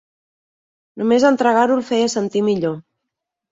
Només entregar-ho el feia sentir millor.